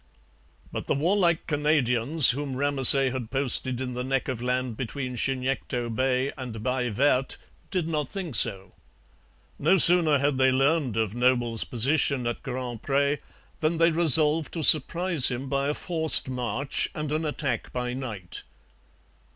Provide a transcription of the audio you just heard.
But the warlike Canadians whom Ramesay had posted in the neck of land between Chignecto Bay and Baie Verte did not think so. No sooner had they learned of Noble's position at Grand Pre than they resolved to surprise him by a forced march and an attack by night.